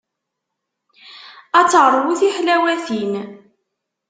Ad teṛwu tiḥlawatin.